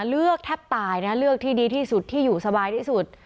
แทบตายนะเลือกที่ดีที่สุดที่อยู่สบายที่สุด